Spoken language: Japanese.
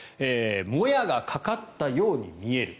もやがかかったように見える。